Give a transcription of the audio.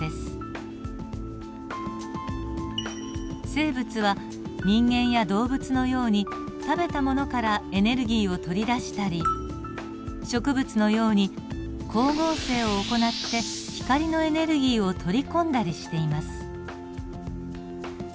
生物は人間や動物のように食べたものからエネルギーを取り出したり植物のように光合成を行って光のエネルギーを取り込んだりしています。